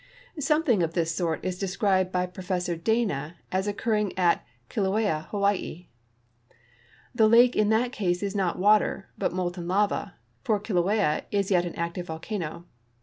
Something of this sort is described by Professor Dana as occur ring at Kilauea, in Hawaii. The lake in that case is not water, but molten lava, for Kilauea is .yet an active volcano.